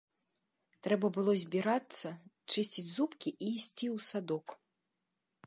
Трэба было збірацца, чысціць зубкі і ісці ў садок.